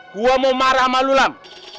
gua mau marah sama lu lam